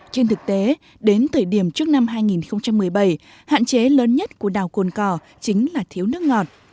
trên thực tế đến thời điểm trước năm hai nghìn một mươi bảy hạn chế lớn nhất của đảo cồn cỏ chính là thiếu nước ngọt